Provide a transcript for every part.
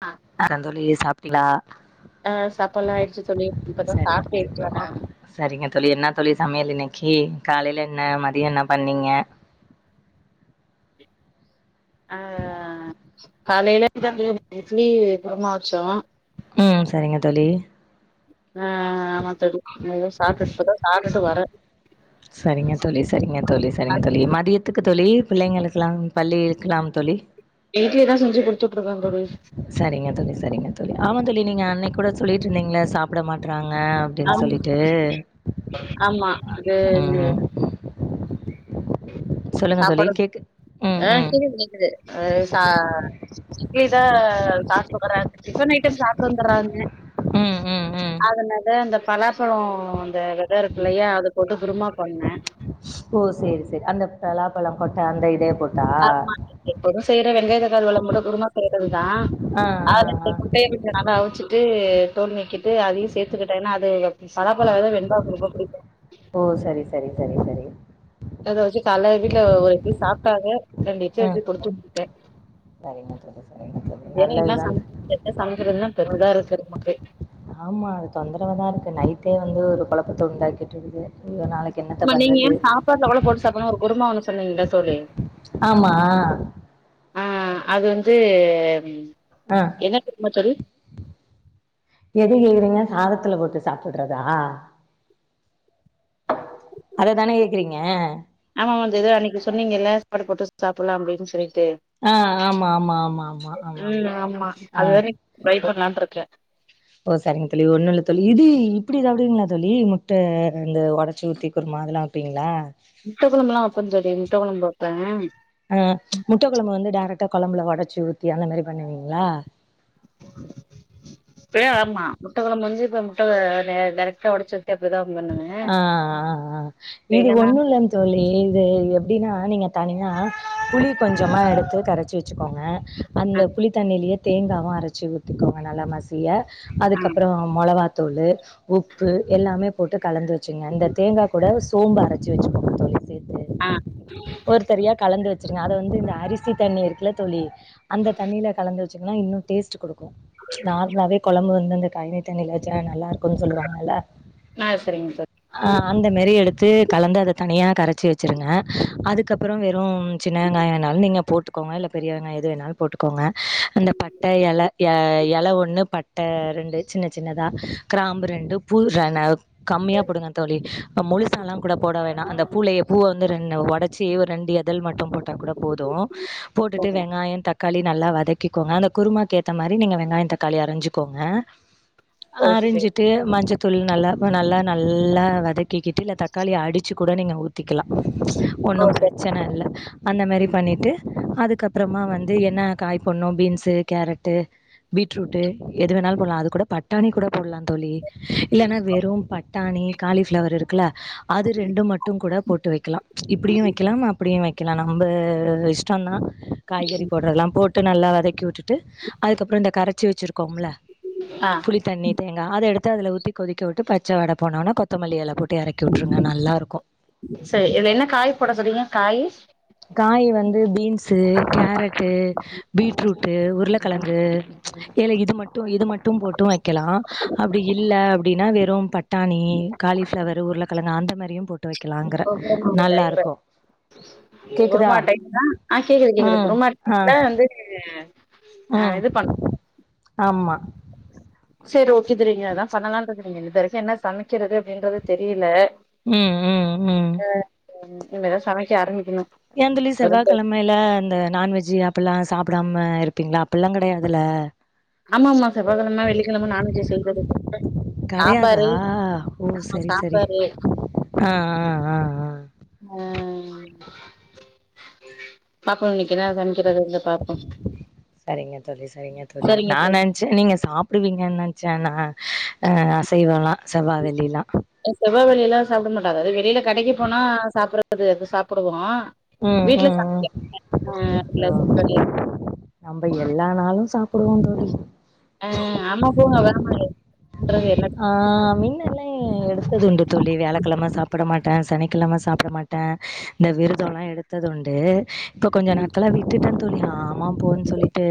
அ அப்றந் தோழி சாப்டிங்ளா ஆ சாப்பாட்ல்லா ஆயிடுச்சு தோழி இப்பதா சரிங்க சாப்ட்டு எந்துச்சு வர்றே சரிங்க தோழி என்ன தோழி சமையல் இன்னைக்கு காலைல என்ன மதியோ என்ன பண்ணீங்க அ காலைல [unintelligible] இட்லி குர்மா வச்சோ ம் சரிங்க தோழி அ ஆமா தோழி இனிமேதா சாப்ட இப்பதா சாப்டுட்டு வரே சரிங்க தோழி செரிங்க தோழி சரிங்க தோழி மதியத்துக்கு தோழி புள்ளைங்களுக்குலா பள்ளியிதுக்கலாம் தோழி வீட்லதா செஞ்சு குடுத்து வுட்ருக்க தோழி சரிங்க தோழி சரிங்க தோழி ஆமா தோழி நீங்க அன்னைக் கூட சொல்லிட்டுருந்தீங்கள சாப்ட மாட்றாங்க அப்டின் ஆம் சொல்லிட்டு ஆமா இது ம் சொல்லுங்க தோழி சாப்பாடு கேக்கு ம் அ ம் கேக்து கேக்குது அ ச இட்லிதா சாப்ட்டுருக்கறாரு டிபன் ஐட்டம் சாப்ட்டு வந்தராருங்க ம் ம் ம் அதனாத இந்த பலாப்பழோ இந்த வெத இருக்குல்லையா அது போட்டு குருமா பண்ண ஓ சேரி செரி அந்த பெலாப்பழ கொட்ட அந்த இதையே போட் [inaudible] எப்போது செய்ற வெங்காய தக்காளி கொழம்பு போட்டு குருமா செய்றதுதா ஆ ஆ [unintelligible] ஆ முட்டைய கொஞ்ச நல்லா அவிச்சிட்டு தோல் நீக்கிட்டு அதையு சேர்த்துக்கிட்டன்னா அது பலாப்பழ வெத வெண்பாக்கு ரொம்ப பிடிக்கு ஓ சரி சரி சரி சரி அத வச்சு கால்ல வீட்ல ஒரு இட்லி சாப்ட்டாங்க ரெண்டு இட்லி ம் வச்சு குடுத்து வுட்டுட்ட சரிங்க தோழி சரிங்க தோழி வேற என்ன நல்லதுதா சமைக்க என்ன சமைக்கதுன்னு பெரு இதா இருக்கு நமக்கு ஆமா அது தொந்தரவாதா இருக்கு நைட்டே வந்து ஒரு கொழப்பத்த உண்டாக்கிட்டு இருகுது ஐயோ நாளைக் ஆமா நீங்க ஏ சாப்பாட்ல கூட போட்டு சாப்பட்னு ஒரு குருமா ஒன்னு சொன்னீங்கள தோழி ஆமா அ அது வந்து ம் அ எது கேக்கிறீங்க சாதத்துல போட்டு சாப்புட்றதா அததான கேக்கிறீங்க ஆமாமா அந்த எதோ அன்னைக்கு சொன்னீங்கல்ல சாப்பாடு போட்டு சாப்பிடலாம் அப்டின்னு சொல்லிட்டு அ ஆமா ஆமா ஆமா ஆமா ஆமா ம் ஆமா அ அது வேற ட்ரை பண்ணலானு இருக்க ஓ சரிங்க தோழி ஒன்னு இல்ல தோழி இது இப்டி சாப்டுவீங்களா தோழி முட்ட இந்த ஒடச்சி ஊத்தி குருமா அதெல்லா ப்பீங்ளா முட்ட கொழம்புல்லா வெப்ப தோழி முட்ட கொழம்பு வெப்பே அ முட்ட கொழம்பு வந்து டேரெக்டா கொழம்புல ஒடச்சு ஊத்தி அந்த மாரி பண்ணுவீங்ளா பே ஆமா முட்ட கொழம்பு வந்து இப்ப முட்ட நே டேரெக்டா ஒடச்சு ஊ [unintelligible] அ அ அ இது இல்லன்னா ஒன்னு இல்ல தோழி இது எப்டின்னா நீங்க தனியா புளி கொஞ்சமா எடுத்து கரச்சி வச்சுக்கோங்க அ அந்த புளித்தண்ணியிலேயே தேங்காவு அரைச்சு ஊத்திக்கோங்க நல்லா மஸ் திய ஆ அதுக்கப்பறோ மொளகாதூளு உப்பு எல்லாமே போட்டு கலந்து வச்சுங்க இந்த தேங்கா கூட சோம்பு அரைச்சு வச்சுக்கோங்க தோழி சேத்து ஆ ஒருத்தரியா கலந்து வச்சிருங்க அத வந்து இந்த அரிசி தண்ணி இருக்குல தோழி அந்த தண்ணியில கலந்து வச்சீங்னா இன்னு டேஸ்ட் குடுக்கு நார்மலவே கொழம்பு வந்து அந்த கைந்த தண்ணில வச்சா நல்லா இருக்குன் சொல்லுவாங்கல்ல நா செரிங்க சார் அ அந்த மேரி எடுத்து கலந்து அத தனியா கரச்சி வச்சிருங்க அதுக்கப்ற வெறும் சின்ன வெங்காயணாலு நீங்க போட்டுக்கோங்க இல்ல பெரிய வெங்காயோ எது வேணாலு போட்டுக்கோங்க அந்த பட் ட்ட எல எல ஒன்னு பட்ட ரெண்டு சின்ன சின்னதா கிராம்பு ரெண்டு பூ ரென கம்மியா போடுங்க தோழி முழுசாலாங் கூட போட வேணா அந்த பூலேயே பூவ வந்து ரெண் ஒடச்சி ஒரு ரெண்டு எத் தழ் மட்டும் போட்டா கூட போது ஓ போட்டுட்டு வெங்காயந் தக் காளி நல்லா வதக்கிகோங்க அந்த குருமாக்கேத்த மாரி நீங்க வெங்காயங் தக்காளி அரிஞ்சுகோங்க ஓ சரி அரிஞ்சிட்டு மஞ்சத்தூள் நல்லா நல நல்லா வதக்கிகிட்டு இல்ல தக்காளிய அடிச்சு கூட நீங்க ஊத்திக்கலா ஓ ஒன்னு சரி பிரச்சன இல்ல அந்த மேரி பண்ணிட்டு அதுக்கப்றமா வந்து என்ன காய் பண்ணு பீன்ஸு கேரட்டு பீட்ரூட்டு எது வேணாலு போட்லா அது கூட பட்டாணி கூட போட்லாந் தோழி இல்லனா வெ டாணி காலிஃபிளவர் இருக்குல அது ரெண்டு மட்டுங் கூட போட்டு வக்கலா இப்டியு வக்கலாம் அப்டியு வக் கிலா நம்ப இஷ்டோந்தா காய்கறி போட்றதுலாம் போட்டு நல்லா வதக்கி விட்டுட் டு அதுக்கப்ற இந்த கரச்சி வச்சிருக்கோம்ல ஆ புளித் தண்ணித் தேங்கா அத எடுத்து அதுல ஊத்தி கொதிக்க விட்டு பச்ச வாட போனோனே கொத் த்தமல்லி எல போட்டு எறக்கி வுட்ருங்க நல்லாருக்கு சரி இதுல என்ன காய் போட சொன்னீங்க காயி காய் வந்து பீன்ஸ்சு கேரட்டு பீட்ரூட்டு் உருளக்கெழங்கு ஏல இது மட்டு இது மட் தும் போட்டு வக்கலா அப்டி இல்ல அப்டினா வெ றும் பட்டாணி காலிஃபிளவர் உருளக்கெழங்கு அந்த மாரியும் போட்டு வக்கலாங்கற ஓ குருமா டைப்பு நல்லாருக்கு [inaudible] குருமா டைப்புதா ஆ கேக்குது கேக்குது ம் குருமா ஆ டைப்ல வந்து ஆ ம் இது பண் ஆம்மா செரி ஓகே துரியீங்க அதா பண்ணலாருக்க இது வரைக்கு என்ன சமைக்கிறது அப்டின்றது தெரியில ம் ம் ம் ஆ ம் இன்மேதா சமைக்க ஆரம்பிக்கிணு ஏன்ந்திழி செவ்வா கெழம் மைல இந்த நான்வெஜ்ஜி அப்பில்லா சாப்டாம இருப்பீங்ளா அப்பில்லா கெடையாதுல்ல ஆமாமாம்மா செவ்வாகெழம வெள்ளிக்கெழம நான்வெஜ்ஜூ செய்றதில்ல கடையாதா ஓ சரி சரி சாம்பாரு ஆ ஆ ஆ ஆ அ பாப்போ இன்னைக்கு என்ன சமைக்கிறது வந்து பாப்போ சரிங்க தோழி சரிங்க தோழி சரிங்க நா தோழி நென்ச்சே நீங்க சாப் ப்டுவீங்கன் நென்ச்சே நா அ அசைவலா செவ்வா வெள்ளிலா செவ்வா வெள்ளில சாப்ட மாட்டாங்க அது வெளில கடைக்கு போனா சாப்பறது அது சாப்புடுவோ ம் வீட்ல ம் ம்... சமைக்க ஆ இல்ல வா தோழி நம்பண்ண எல்லா நாளு சாப்புடுவோந் தோழி ஆ அம்மா பூங்கா வேற மாரி [unintelligible] ஆ மின்னல்லா எடுத்ததுண்டு தோழி வியாழக்கெழம சாப்பட மாட்டே சனிக்கெழம சாப்ட மாட் ட இந்த விரதொலா எடுத்ததுண்டு இப்ப கொஞ்ச நாட்களா விட்டுட்டே தோழி ஆமாம் போன் சொல்லிட்டு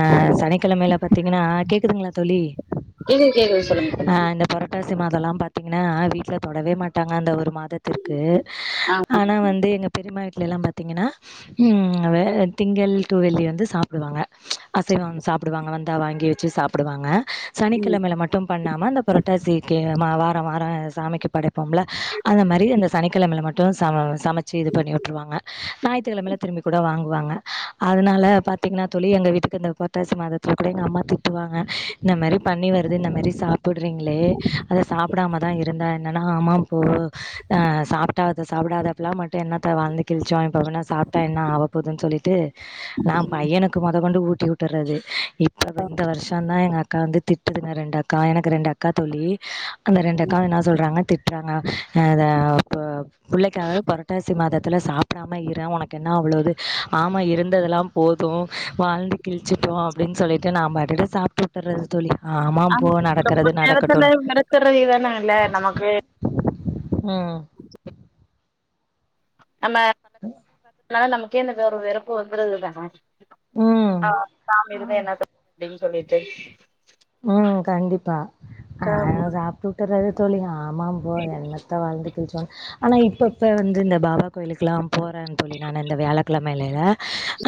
அ சனிக்கெழமைல பாத் திங்கனா கேக்குதுங்ளா தோழி கேக்குது கேக்குது சொல்லுங்க சொல்லுங்க. பொரட்டாசி மாதலாம் பாத்திங்னா வீட்ல தொடவே மாட்டாங்க அந்த ஒரு மாதத் த்துருக்கு ஆ ஆனா வந்து எங்க பெரியமா வீட்ல எல்லா பாத்தீங்கன்னா ம் வெ திங்கள் டு வெள்ளி வந்து சாப்டுவாங்க அசைவம் சாப்டுவாங்க வந்தா வாங்கி வச்சு சாப்டுவாங்க ம் சனிக்கெழமைல மட் டு பண்ணாம அந்த புரட்டாசிக்கு ம வாராவாரம் சாமிக்கு படைப்போம்ல அந்த மாரி அந்த சனிக்கெழமைல மட் டு சம சமைச்சு இது பண்ணி விட்ருவாங்க ஞாயித்துகெழமைல திரும்பி கூட வாங்குவாங்க அதனால பாத்திங்கனா தோழி எங்க வீட்டுக்கு இந்த புரட்டாசி மாதத்துல கூட எங்க அம்மா திட்டுவாங்க இந்த மாரி பண்ணி வருது இந்த மேரி சாப்புட்றீங்ளே அத சாப்டாமதா இருந்த என் நா ஆமா போ ஆ சாப்ட்டா அத சாப்டாதப்பல்லா மட்டு என்னத்த வாழ்ந்து கிழிச்சோ இப்ப என்ன சாப்ட்டா என்ன ஆவ போதுன்னு சொல்லிட்டு நா பையனுக்கு மொத கொண்டு ஊட்டி உட் ட்றது இப்ப இந்த வருஷந்தா எங்க அக்கா வந்து திட்டதுங்க ரெண்டு அக் கா எனக்கு ரெண்டு அக்கா தோழி அந்த ரெண்டு அக்காவு என்ன சொல்றாங்க திட்டுறாங்க ஆ இத அப்ப புள்ளைக்காவது புரட்டாசி மாதத்துலா சாப் டாமயிர உனக்கு என்ன அவ்ளே இது ஆமா இருந்ததெல்லா போதும் வாழ்ந்து கிழிச்சுட்டோ அப்படினு சொல்லிட்டு நா பாட்டுக்கு சாப்ட்டு விட்டுறது தோழி ஆமா ஆமா, ரொம்ப நேரத்துல வெறுத்துட்றது இதானா இல்ல நமக்கு ம் நம்ம ஆ அதனால நமக்கே இந்த ஒரு வெறுப்பு வந்துருதுதான ம் ஆ சாமி இருந்து என்னத்த அப்டினு சொல்லிட்டு ம் கண்டிப்பா ஆமா நாங்க சாப் ட்டுவுட்டறது தோழி, ஆமா போ என்னத்த வாழ்ந்து கிழிச்சோன்னு ஆனா இப்ப இப்ப வந்து இந்த பாபா கோயிலுக்குல்லா போறே தோழி நா இந்த வியாழக்கிழமைல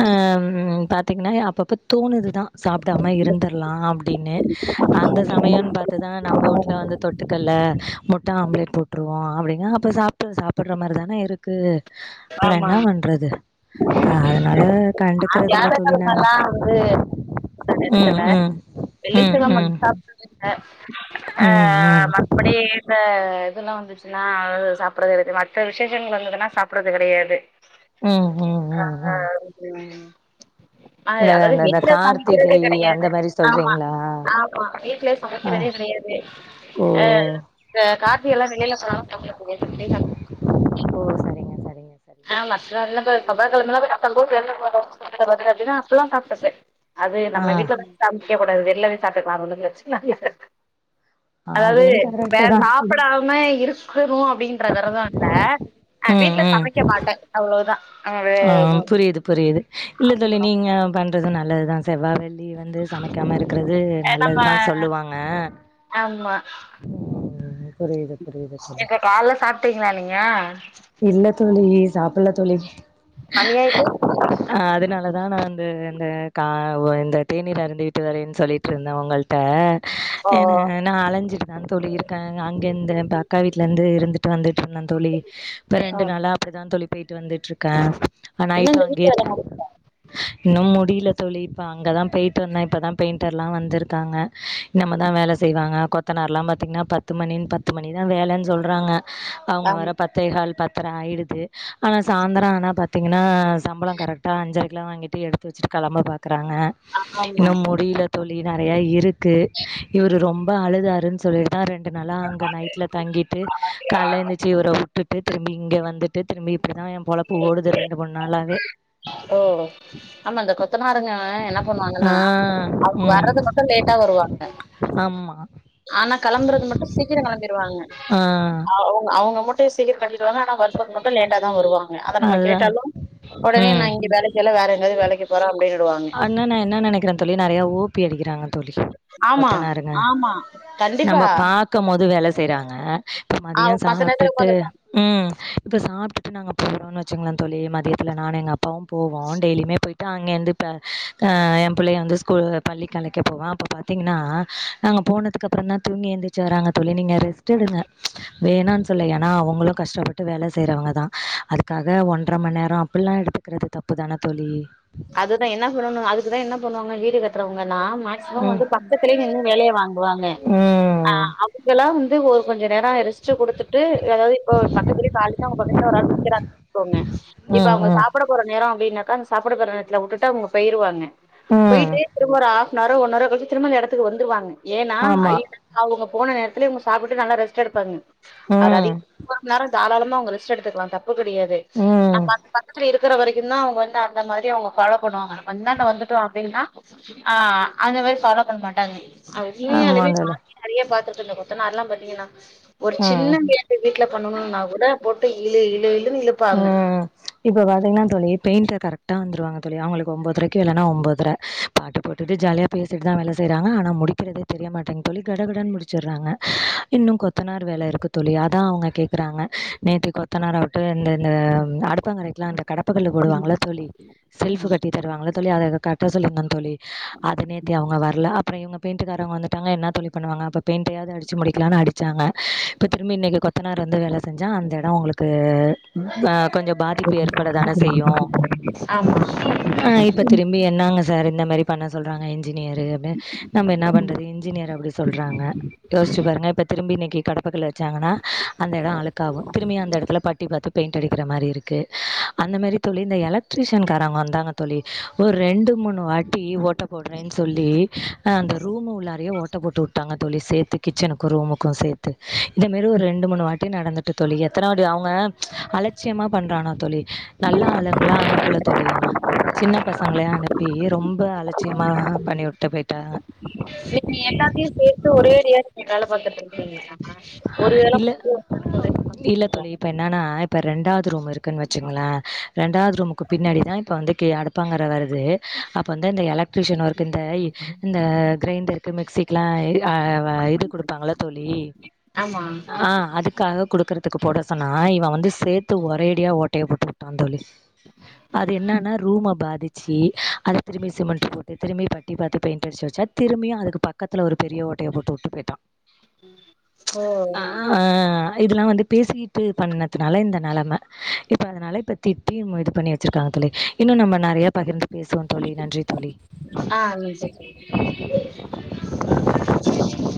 ஆ ம் பாத் தீங்கனா அப்பப்ப தோணுதுதா சாப்டாம இருந்துற்லா அப்டின்னு அந்த சமயனு பாத் துதா நம்ம வூட்ல வந்து தொட்டுக்க இல்ல முட்டை ஆம்லேட் போட்ருவோ அப்டின்னா அப்ப சாப்ட சாப் புட்ற மாரிதான இருக்கு அப்பறம் ஆமா என்ன பண்றது அ அதனால அந்த கண்டுக்றது இல்ல தோழி நானு வியாழக்கெழமல்லா வந்து ம் ம் வெள்ளி ம், செவ்வா மட்டு ம். சாப்ட்றதுஇல்ல ம் அ, ம் மத் தபடி இந்த இதுல்லா வந்துச்சுன்னா சாப்பிட்றது கடையாது மத்த விசேஷங்கள் வந்துதுன்னா சாப் புட்றது கடையாது ம் ம் ஆ ம் ம் ம் அ இந்த அதாவது இந்த இந்த வீட்ல சமைக்கிறது கார்த்திகை அந்த கடையாது மாரி ஆமா சொல்றீங்களா ஆமா வீட்ல ஆ சமைக்கிறதே கிடையாது, ஓ ஆ இந்த கார்த்திகை எல்லா வெளில போனாலு சாப்ட முடியாது சம்டைம்ஸ் ஓ சரிங்க சரிங்க சரிங்க ஆ மத்த நாள்லா இப்ப செவ்வாக்கெழமலா இப்ப சப்போஸ் வெளில போறோ சுத்தத்த பாத்துட்டு அப்டினா அப்பெல்லா சாப்ட்றது அது ஆ நம்ம வீட்லதா சமைக்க கூடாது வெளில போய் சாப்ட்டுக்கலா அது ஒண்ணு பிரச்சன இல்ல அதாவது அதுவு வே கரெக்ட்டு தா சாப்பிடாம இருக்கணு அப்டின்ற வெரதம் இல்ல ஆ ம் வீட்ல ம் சமைக்க மாட்ட அவ்ளோதா அது ஆ புரியுது புரியுது இல்ல தோழி ஆமா. நீங்க பண்றதும் நல்லதுதா செவ்வா வெள்ளி வந்து சமைக்காம இருக்கிறது அஹ் நம்ம நல்லதுதா சொல்லுவாங்க ஆமா ம் புரியுது புரியுது தோழி இப்போ கால்ல சாப்ட்டீங்களா நீங்க இல்ல தோழி சாப்புட்ல்ல தோழி மணி ஆயிட்டு அ அதனாலதா நா வந்து இந்த கா ஒ இந்த தேனீர் அருந்தி விட்டு வரேன்னு சொல்லிட்டு இர்ந்தே உங்கள்ட் ட ஓ ஏன்னா நா அலைஞ்சிட்டுதா தோழி இருக்கே அங்க இந்த அக்கா வீட்ல இர்ந்து இருந்துட் டு வந்துட்டு இர்ந்தே தோழி இப்ப ரெண்டு ம் நாளா அப்படிதா தோழி போயிட்டு வந்துட்ருக்க ஆ இன்னு நைட்டோ இந்த அங்கயே வீட்டு வேல தங் முடி இன்னு முடியுல தோழி இப்ப அங்கதா போயி்ட்டு வந்தே இப்பதா பெயிண்டர்லா வந்துருக்காங்க நம்மதா வேல செய்வாங்க கொத்தனார்லா பாத்தீங்னா பத்து மணின்னு பத்து மணிதா வேலன்னு சொல்றாங்க அவுங்க வர ஆமா பத்தேகால் பத்தர ஆயிடுது ஆனா சா ய்ந்தரோ ஆனா பாத்தீங்கனா சம்பளோ கரெக்டா அஞ்சரைக்குலா வாங்கிட்டு எடுத்து வெச்சுட்டு கெளம்ப பாக் இருக்கறாங்க ஆமா இன்னோ முடியுல தோழி நறைய இருக்கு இவுரு ரொம்போ அழுதாருன்னு சொல்லி அதா ரெண்டு நாளா அங்க நைட்ல தங்கிட்டு கால்ல எந்திரிச்சி இவர உட் ட்டுட்டு திரும்பி இங்க வந்துட்டு திரும்பி இப்படிதா ஏ பொழப்பு ஓடுது ரெண்டு மூணு நாளாவே ஓ ஆமா இந்த கொத்தனருங்க என்ன ஆ பண்ணுவாங்கன்னா அவங்க ம் வர்றது மட்டோ லேட்டா வருவாங்க ஆமா ஆனா கெளம்புறது மட்டு சீக்கிரோ கெளம்பிருவாங்க ஆ அவுங்க அவுங்க மட் சுத்தி சீலிங் கட்டிடுவாங்க ஆனா வரும் போது மட்டு லேட்டாதா வருவாங்க அத நம்ம அதுதா கேட்டாலு ஒடனே நா ம் இங்க வேலைக் இல்ல வேற எங்கயாது வேலைக்கு போற அப்டின்னுடுவாங்க ஒன்னு நா என்ன நெனைக்குற தோழி நறைய ஓபி அடிக்கிறாங்க தோழி ஆமா கொத்தனாருங்க ஆமா கண்டிப்பா நம்ப பாக்கும் போது வேல செய்றாங்க இப்ப ஆ மதியோ மத்த நேரத்துல சாப்ட்டுட்டு உக்காந்துருப்பாங்க ம் இப்ப சாப்ட்டுட்டு நாங்க போறோனு வெச்சுகோங்ள தோழி மதியத்துல நானு எங்க அப்பாவு போவோ டெய்லியுமே போயிட் தாங்க எந்துப் இப்ப அ ஏ புள்ளய வந்து ஸ்கூல் பள்ளிக்கு அழைக்க போவே அப்போ பாத்தீங்கன்னா நாங்க போனதுக்கு அப்புறோந்தா தூங்கி எந்திர்ச்சு வராங்க தோழி நீங்க ரெஸ்ட் எடுங்க வேணான்னு சொல்ல ஏன்னா அவுங்களு கஷ்டப்பட்டு வேல செய்யறவங்கதா அதுக்காக ஒன்ற மண்நேரோ அப்டிலா எடுத்து குறது தப்பு தான தோழி அதுதா என்ன சொல்லனோ அதுக்குதா என்ன பண்ணுவாங்க வீடு கட்றவுங்கலா மேக்ஸிமம் ம் வந்து பக்கத்துலயே நின்னு வேலய வாங்குவாங்க அ ம் அப் டிலா வந்து ஒரு கொஞ்ச நேரோ ரெஸ்ட்டு குடுத்துட்டு ஏதாவது இப்போ ஒரு பக்கத்துல கால்ல இர்ந்தே அவுங்க பக்கத்துல ஒரு ஆள் நிக்குறாங்க வெச்சுக்கோங்க இப்ப ம் அவங்க ம் சாப்ட போற நேரோ அப்டீன்னாக்கா அந்த சாப் கூட பொறந்தவங்க வீட்ல வுட்டுட்டு அவுங்க போயிருவாங்க ம் போயிட்டு திரும்ப ஒரு ஹாஃப்னாரோ ஒன்னாரோ கழிச்சி திரும்ப இந்த எடத்துக்கு வந்துறுவாங்க ஏன்னா ஐ ஆமா அவுங்க போன நேரத்துலயே இவுங்க சாப்புட்டு நல்லா ரெஸ்ட் எடுப்பாங்க அவரு ம் அதிகமா ஒரு மண் நேரோ தாராளமா அவுங்க ரெஸ்ட் எடுத்துக்கலா தப்புக்கெடயாது ம் நம்ம அந்த பக்கத்துல இருக்குற வரைக்கு தா அவுங்க வந்து அந்த மாரி அவுங்க ஃபாலோ பண்ணுவாங்க வந்துட்டோ அப்டீன்னா ஆ அந்த மாரி ஃபாலோ பண்ண மாட்டாங்க அ ஆமா உண்மையாலுமே தோழி நானே நறைய பாத்துருக்கே இந்த கொத்தனாருலா பாத்தீங்கன்னா ஒரு சின்ன ம் வேல வீட்ல பண்ணணோனா கூட போட்டு இழு இழு இழுன்னு இழுப்பாங்க ம் இப்ப பாத்தீங்கன்னா தோழி பெயிண்டர் கரெக்டா வந்துருவாங்க தோழி அவுங்குளுக்கு ஒம்போதரைக்கு இல்லன்னா ஒம்போதர பாட்டு போட்டுட்டு ஜாலியா பேசிட்டு தா வேல செய்றாங்க ஆனா முடிக்குறதே தெரிய மாட்டேங்குது தோழி கடகடன்னு முடிச்சிடுறாங்க இன்னு கொத்தனார் வேல இருக்கு தோழி அதா அவுங்க கேக்கறாங்க நேத்து கொத்தனாரவுட்டோ இந்த இந்த அடுப்பாங் கரைக்குல்லா அ கடப்பா கல்லு போடுவாங்கல தோழி செல்ஃபு கட்டி தருவாங்கள தோழி அத இத கரெக்டா சொல்லிருந்தான் தோழி அது நேத்தி அவ்ங்க வர்ல அப்பற இவ்ங்க பெயின்டுக்காரவ்ங்க வந்துட்டாங்க என்ன தோழி பண்ணுவாங்க அப்பற பெயிண்டயாது அடிச்சு முடிக்கலானு அடிச்சாங்க இப்ப திரும்ப இன்னைக்கு கொத்த னாரு வந்து வேல செஞ்சா அந்த எட ஒங்களுக்கு ஆ கொஞ்ச பாதிப்பு ஏற்பட தானே செய்யு ஆமா ஆ இப்ப திரும்பி என்னாங்க சார் இந்த மாரி பண்ண சொல்றாங்க இன்ஜினியரு அப்டின் நம்ம என்ன பண்றது இன்ஜினியரு அப்டி சொல்றாங்க யோஸ்ச்சு பாருங்க இப்ப திரும்பி இன்னைக்கு கடப்பக்கல்ல ச்சாங்கனா அந்த எட அழுக்காகு திரும்பியு அந்த எடத்துல பட்டி பாத்து பெயிண்ட் அடிக்கிற மாரி இருக்கு அந்த மாரி தோழி இந்த எலக்ட்ரிஷன் காரவ்ங்க வந்தாங்க தோழி ஒரு ரெண்டு மூணு வாட்டி ஓட்ட போட்றேன் சொல்லி ஆ அந்த ரூமு உள்ளாரையே ஓட் ட்ட போட்டு வுட்டாங்க தோழி சேத்து கிச்சனுக்கு ரூமுக்கு சேத்து இந்த மாரி ஒரு ரெண்டு மூணு வாட்டி நடந்துட் ட்டு தோழி எத்தனவாட்டி அவ்ங்க அலட்சியமா பண்றானா தோழி நல்ல ஆளுங்ளா அனுப்பல தோழி ஆனா சின்ன பசங்களே அனுப்பி ரொம்ப அலட்சியமா பண்ணி வுட்டு போய்ட்டாங்க நீ எல்லாத்தையு சேத்து ஒரேடியா நீங்க வேல பாத்துட்ருக் [inaudible] ஒரு வேள [inaudible] இப்ப என்னனா இப்ப ரெண்டாவ்து ரூமு இருக்குன் வச்சுங்களே ரெண்டாவ்து ரூமுக்கு பின்னாடிதா இப்ப வந்து க்கு அடுப்பாங்கற வருத் ரு அப்ப வந்து அந்த எலக்ட்ரிஷன் ஒர்க்கு இந்த இ இந்த கிரைண்டருக்கு மிக்சிகுலா இது ஆ வ இது குடுப்பாங்கள தோழி ஆமா ஆ அதுக்காக குடுக்குற த்துக்கு போட சொன்னா இவ வந்து சேத்து ஒரேடியா ஓட்டைய போட்டு விட்டா தோழி அது என்னனா ரூம பாதிச் ச்சி அத திரும்பி சிமெண்ட் போட்டு திரும்பி பட்டி பாத்து பெயிண்ட அடிச்சு வச்சா திரும்பியு அதுக்கு பக் பக்கத்துல ஒரு பெரிய ஓட்டைய போட்டு விட்டு போயிட்டா ஓ இதெல்லா வந்து பேசிகிட்டு பண்ணதுனால இந்த நெலம இப்ப அதனால இப்ப திட்டி இவ்ங்க இது பண்ணி வெச்சிருக்காங்க தோழி இன்னு நம்ம நெறைய பகிர்ந்து பேசுவோ தோழி நன்றி தோழி ஆ அவிங்கன்க்ள்ட்ட கேளு ஆ